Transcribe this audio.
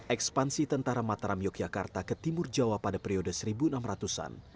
ekspansi tentara mataram yogyakarta ke timur jawa pada periode seribu enam ratus an